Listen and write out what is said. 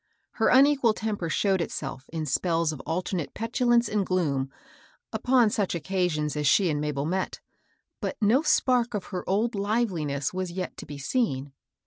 Her une qual temper showed itself in spells of alternate petulance and gloom, upon such occasions as she and Mabel met, but no spark of her old liveliness was yet to be seen.